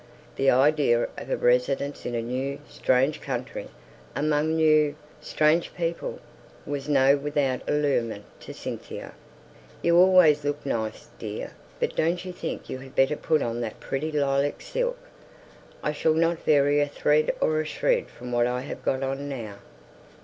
The idea of a residence in a new, strange country, among new, strange people, was not without allurement to Cynthia. "You always look nice, dear; but don't you think you had better put on that pretty lilac silk?" "I shall not vary a thread or a shred from what I have got on now."